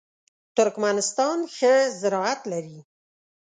ترکمنستان ښه زراعت لري.